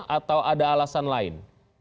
atau ada alasan lain